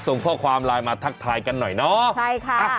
ส่งข้อความไลน์มาทักทายกันหน่อยเนาะใช่ค่ะ